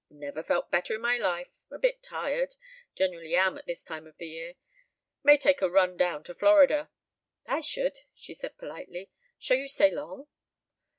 "Never felt better in my life. A bit tired. Generally am at this time of the year. May take a run down to Florida." "I should," she said politely. "Shall you stay long?"